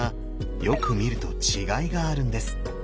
よく見ると違いがあるんです。